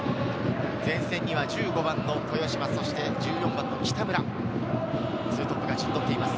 前線には１５番の豊嶋、１４番の北村、２トップが陣取っています。